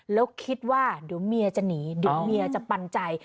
แล้วคิดว่าเดี๋ยวเมียจะหนีเดี๋ยวเมียจะปันใจ